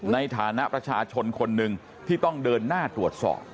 ในฐานะประชาชนคนหนึ่งที่ต้องเดินหน้าตรวจสอบ